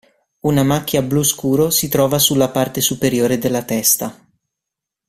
Una macchia blu scuro si trova sulla parte superiore della testa.